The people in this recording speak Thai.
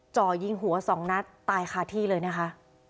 จ่อยิงหัวสองนัดตายคาที่เลยนะคะ